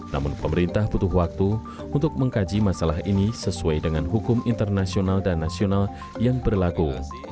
namun pemerintah butuh waktu untuk mengkaji masalah ini sesuai dengan hukum internasional dan nasional yang berlaku